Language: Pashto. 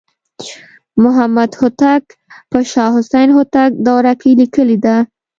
محمدهوتک په شاه حسین هوتک دوره کې لیکلې ده.